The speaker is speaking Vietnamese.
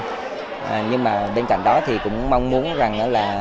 trong trạng đó thì cũng mong muốn